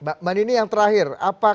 mbak manini yang terakhir